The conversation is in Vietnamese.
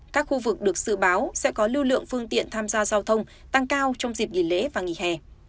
các khu vực được dự báo sẽ có lưu lượng phương tiện tham gia giao thông tăng cao trong dịp nghỉ lễ và nghỉ hè